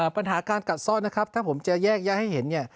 ปัญหาการกัดซ่อถ้าผมจะแยกย่าให้เห็น